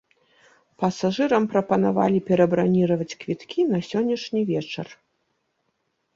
Пасажырам прапанавалі перабраніраваць квіткі на сённяшні вечар.